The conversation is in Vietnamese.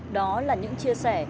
đó là những chia sẻ